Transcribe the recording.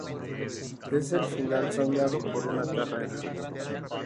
Es el final soñado para una carrera.